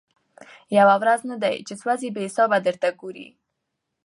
یو وزر نه دی چي سوځي بې حسابه درته ګوري